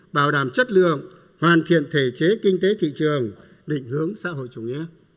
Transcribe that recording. bảo đảm chất lượng hoàn thiện thể chế kinh tế thị trường định hướng xã hội chủ nghĩa